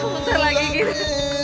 sebentar lagi gitu